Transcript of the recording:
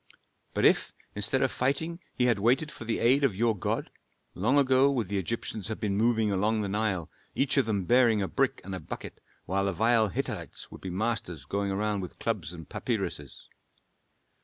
But if instead of fighting he had waited for the aid of your God, long ago would the Egyptians have been moving along the Nile, each of them bearing a brick and a bucket, while the vile Hittites would be masters going around with clubs and papyruses.